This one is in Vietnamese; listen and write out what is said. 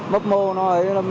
bốc mô nó ấy